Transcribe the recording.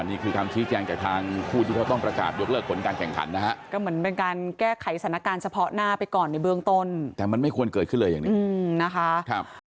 นี่คือการคีย์แจงการทางคู่ที่เขาต้องประกาศ